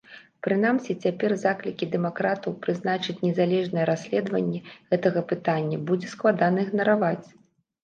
Прынамсі цяпер заклікі дэмакратаў прызначыць незалежнае расследаванне гэтага пытання будзе складана ігнараваць.